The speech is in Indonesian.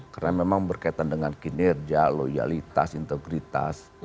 karena memang berkaitan dengan kinerja loyalitas integritas